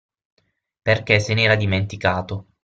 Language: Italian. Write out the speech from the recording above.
Perché se n'era dimenticato.